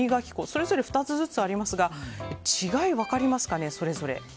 それぞれ２つずつありますが違い、分かりますかね、それぞれ。